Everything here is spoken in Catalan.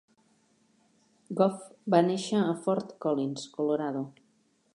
Goff va néixer a Fort Collins, Colorado.